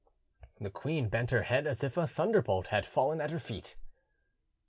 The queen bent her head as if a thunderbolt had fallen at her feet.